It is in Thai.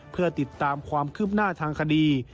เพื่อติดตามความคืบหน้าทางคดี